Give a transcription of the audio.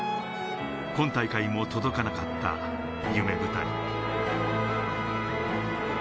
今大会も届かなかった夢舞台。